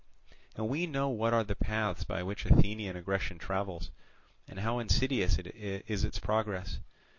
And we know what are the paths by which Athenian aggression travels, and how insidious is its progress.